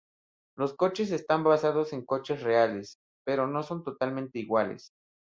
Los coches están basados en coches reales, pero no son totalmente iguales.